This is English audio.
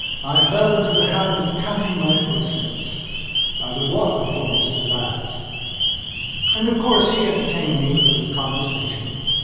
I fell into the habit of counting my footsteps. I would walk with Florence to the baths. And, of course, she entertained me with her conversation.